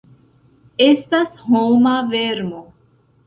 Estas homa vermo!